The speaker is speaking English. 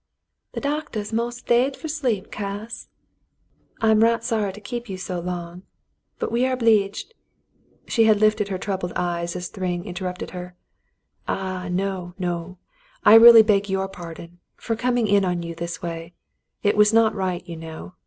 "The doctah's mos' dade fer sleep, Cass." "I am right sorry to keep you so long, but we are obleeged —" She lifted troubled eyes to his face, as Thryng inter rupted her. "Ah, no, no! I really beg your pardon — for coming in on you this way — it was not right, you know.